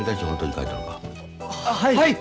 はい。